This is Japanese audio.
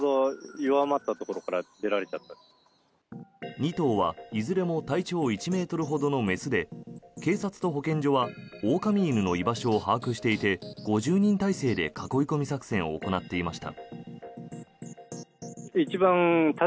２頭はいずれも体長１ｍほどの雌で警察と保健所は狼犬の居場所を把握していて５０人態勢で囲い込み作戦を行っていました。